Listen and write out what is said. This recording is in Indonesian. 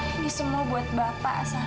ini semua buat bapak